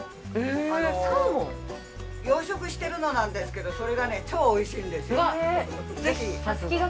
養殖してるのなんですけどそれがね超おいしいんでぜひ。